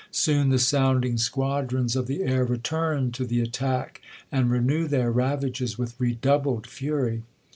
Soon the sounding squadrons of the air return to the attack, and renew their ravages with redoubled fury.